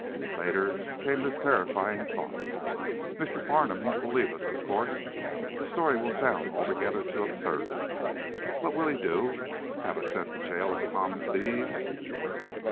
Later came this terrifying thought: "Mr. Farnum won't believe us, of course. The story will sound altogether too absurd." "What will he do have us sent to jail as common thieves?"